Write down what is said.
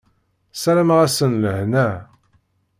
Sarameɣ-asen lehna.